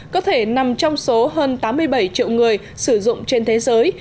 có thể nằm trong số hơn tám mươi bảy triệu người sử dụng trên thế giới